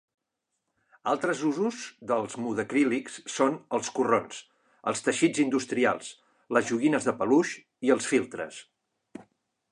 Altres usos dels modacrílics són els corrons, els teixits industrials, les joguines de peluix i els filtres.